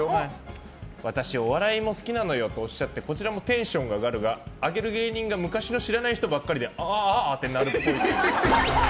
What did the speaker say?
私、お笑いも好きなのよとおっしゃってこちらもテンションが上がるがあげる芸人が昔の知らない芸人ばっかりでああってなるっぽい。